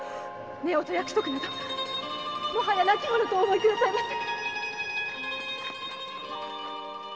夫婦約束などもはや無きものとお思いくださいませ